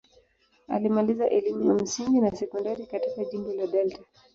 Alimaliza elimu ya msingi na sekondari katika jimbo la Delta.